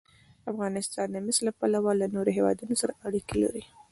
افغانستان د مس له پلوه له نورو هېوادونو سره اړیکې لري.